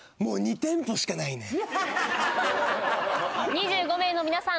２５名の皆さん